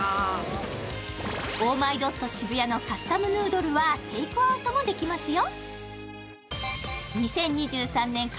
ｏｈｍｙＤＯＴのカスタムヌードルはテイクアウトもできますよ。